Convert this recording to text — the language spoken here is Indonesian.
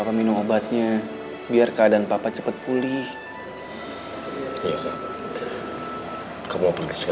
kamu mau ngeliat ke kain lo